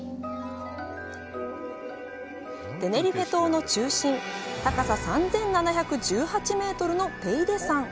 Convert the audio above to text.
テネリフェ島の中心、高さ３７１８メートルのテイデ山。